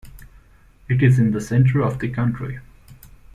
It is in the centre of the country.